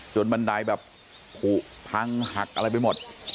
บันไดแบบผูกพังหักอะไรไปหมด